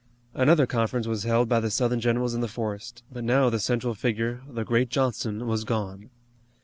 Another conference was held by the Southern generals in the forest, but now the central figure, the great Johnston, was gone.